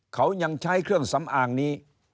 เขายังใช้เครื่องสำอางนี้